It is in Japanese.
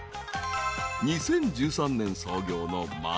［２０１３年創業の］